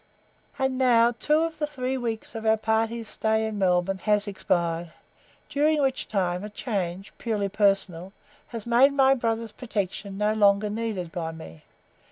And now two out of the three weeks of our party's stay in Melbourne has expired, during which time a change (purely personal) had made my brother's protection no longer needed by me.